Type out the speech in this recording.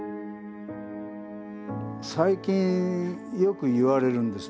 最近よく言われるんですね。